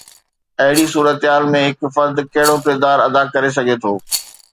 اهڙي صورتحال ۾ هڪ فرد ڪهڙو ڪردار ادا ڪري سگهي ٿو؟